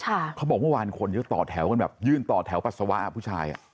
เขาบอกเมื่อวานคนจะต่อแถวกันแบบยื่นต่อแถวปัสสาวะผู้ชายอ่ะ